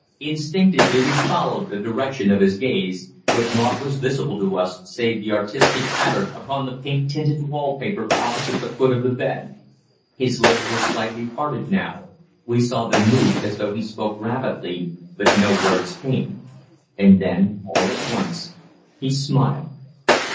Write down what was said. Instinctively we followed the direction of his gaze, but naught was visible to us save the artistic pattern upon the pink tinted wall paper opposite the foot of the bed. His lips were slightly parted, now. We saw them move as though he spoke rapidly, but no words came. And then, all at once, he smiled.